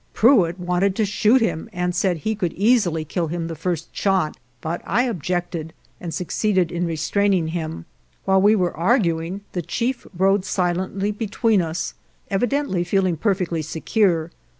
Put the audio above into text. Prewitt wanted to shoot 2 him and said he could easily kill him the first shot, but I objected and succeeded in re straining him. While we were arguing the chief rode silently between us, evidently feel ing perfectly secure.